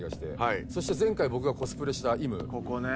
そして前回僕がコスプレしたイム。